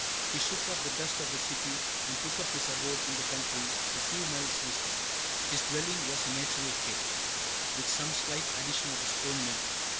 He shook off the dust of the city, and took up his abode in the country, a few miles distant. His dwelling was a natural cave, with some slight addition of his own making.